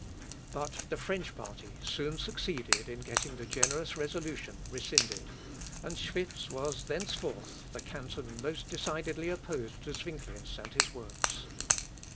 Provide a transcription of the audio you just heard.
But the French party soon succeeded in getting the generous resolution rescinded, and Schwitz was thenceforth the canton most decidedly opposed to Zuinglius and his works.